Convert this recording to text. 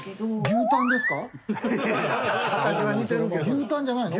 牛タンじゃないの？